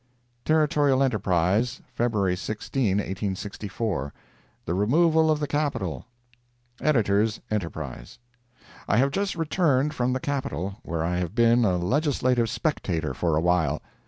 Territorial Enterprise, February 16, 1864 THE REMOVAL OF THE CAPITAL EDITORS ENTERPRISE: I have just returned from the Capital, where I have been a Legislative spectator for a while.